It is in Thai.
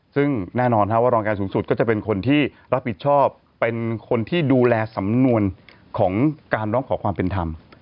ซึ่งแน่นอนว่ารองการสูงสุดก็จะเป็นคนที่รับผิดชอบเป็นคนที่ดูแลสำนวนของการร้องขอความเป็นธรรม